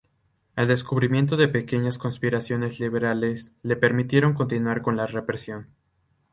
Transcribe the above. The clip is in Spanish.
El descubrimiento de pequeñas conspiraciones liberales le permitieron continuar con la represión.